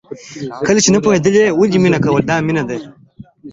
کله چې نه پوهېدې ولې مینه کوې؟ همدا مینه ده.